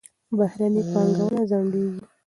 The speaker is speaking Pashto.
بهرني پانګونه خنډېږي.